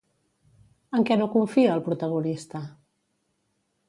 En què no confia, el protagonista?